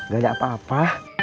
gak ada apa apa